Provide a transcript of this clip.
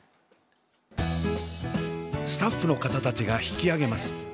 スタッフの方たちが引き揚げます。